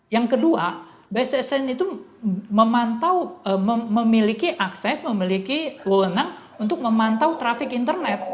yang kedua bssn itu memantau memiliki akses memiliki wewenang untuk memantau trafik internet